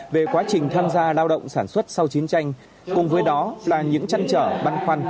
về quá trình tham gia lao động sản xuất sau chiến tranh cùng với đó là những chăn trở băn khoăn